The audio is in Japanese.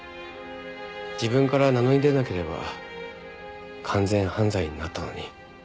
自分から名乗り出なければ完全犯罪になったのに。